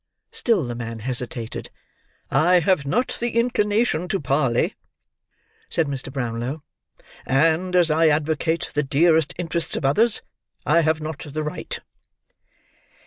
Still the man hesitated. "I have not the inclination to parley," said Mr. Brownlow, "and, as I advocate the dearest interests of others, I have not the right."